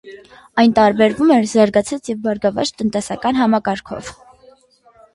Այն տարբերվում էր զարգացած և բարգավաճ տնտեսական համակարգով։